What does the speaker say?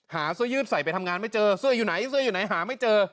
เสื้อยืดใส่ไปทำงานไม่เจอเสื้ออยู่ไหนเสื้ออยู่ไหนหาไม่เจอ